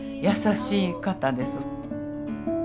優しい方です。